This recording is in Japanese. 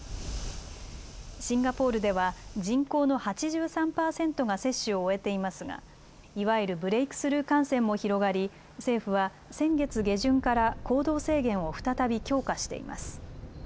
シンガポールでは人口の８３％が接種を終えていますがいわゆるブレイクスルー感染も広がり政府は先月下旬から行動制限を再び強化しています。